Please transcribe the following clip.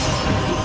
aku akan menang